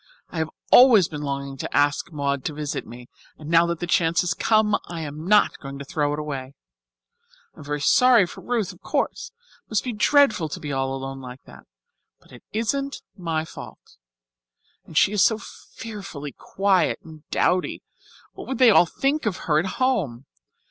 I have always been longing to ask Maud to visit me, and now that the chance has come I am not going to throw it away. I am very sorry for Ruth, of course. It must be dreadful to be all alone like that. But it isn't my fault. And she is so fearfully quiet and dowdy what would they all think of her at home?